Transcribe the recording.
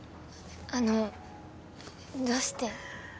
あのどうして？